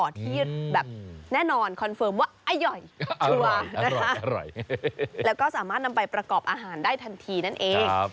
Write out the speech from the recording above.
ที่แบบแน่นอนคอนเฟิร์มว่าอร่อยชัวร์นะคะอร่อยแล้วก็สามารถนำไปประกอบอาหารได้ทันทีนั่นเอง